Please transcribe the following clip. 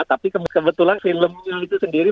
tapi kebetulan film itu sendiri